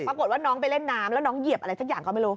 ปรากฏว่าน้องไปเล่นน้ำแล้วน้องเหยียบอะไรสักอย่างก็ไม่รู้